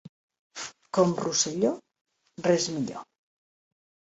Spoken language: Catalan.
Com Rosselló, res millor.